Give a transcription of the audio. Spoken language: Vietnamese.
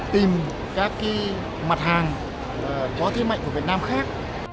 tìm các mặt hàng có thế mạnh của việt nam khác